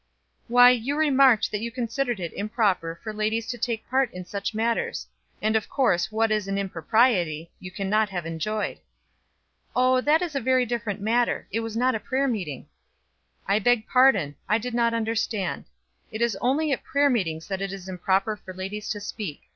"Why you remarked that you considered it improper for ladies to take part in such matters: and of course what is an impropriety you can not have enjoyed." "Oh that is a very different matter. It was not a prayer meeting." "I beg pardon. I did not understand. It is only at prayer meetings that it is improper for ladies to speak.